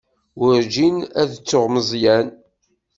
Werǧin ad ttuɣ Meẓyan.